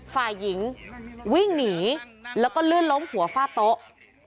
ฝ่ายหญิงวิ่งหนีแล้วก็ลื่นล้มหัวฝ้าโต๊ะ